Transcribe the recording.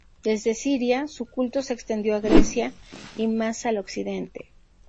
Desde Siria, su culto se extendió a Grecia y más al occidente.